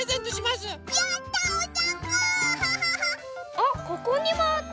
あっここにもあった！